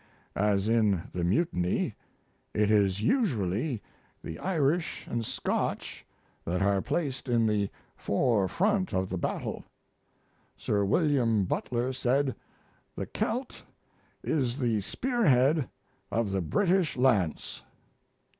as in the Mutiny, it is usually the Irish & Scotch that are placed in the forefront of the battle.... Sir William Butler said, "the Celt is the spearhead of the British lance."